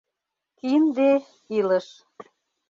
Кинде — илыш.